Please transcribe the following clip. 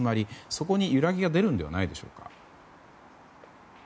そこに揺らぎが出るのではないでしょうか。